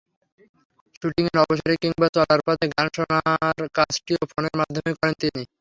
শুটিংয়ের অবসরে কিংবা চলার পথে গান শোনার কাজটিও ফোনের মাধ্যমেই করেন তিনি।